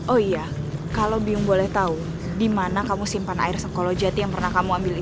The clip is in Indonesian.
oh iya kalau bingung boleh tahu di mana kamu simpan air sekolo jati yang pernah kamu ambil itu